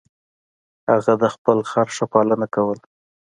هغه د خپل خر ښه پالنه کوله.